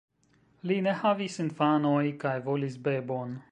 Li ne havis infanoj kaj volis bebon.